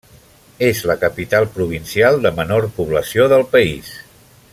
És la capital provincial de menor població del país.